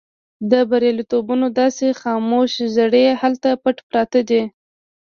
د برياليتوبونو داسې خاموش زړي هلته پټ پراته دي.